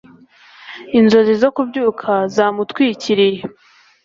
Inzozi zo kubyuka zamutwikiriye